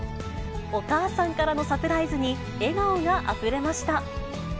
お母さんからのサプライズに、笑顔があふれました。